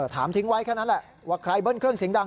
ทิ้งไว้แค่นั้นแหละว่าใครเบิ้ลเครื่องเสียงดัง